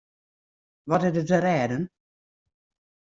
Wat is der te rêden?